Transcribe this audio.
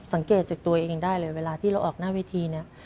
สังเกตจากตัวเองได้เลยเวลาที่เราออกหน้าเวทีเนี่ย